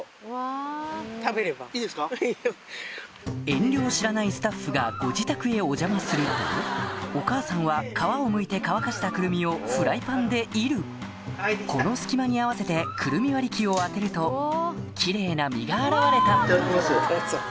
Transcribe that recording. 遠慮を知らないスタッフがご自宅へお邪魔するとお母さんは皮をむいて乾かしたくるみをフライパンで炒るこの隙間に合わせてくるみ割り器を当てるとキレイな実が現れたいただきますよ。